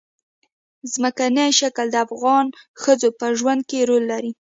ځمکنی شکل د افغان ښځو په ژوند کې رول لري.